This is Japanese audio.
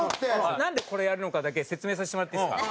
なんでこれやるのかだけ説明させてもらっていいですか？